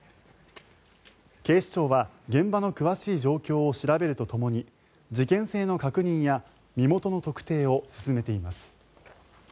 警視庁は現場の詳しい状況を調べるとともに事件性の確認や身元の特定を進めています。